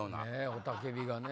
雄たけびがね。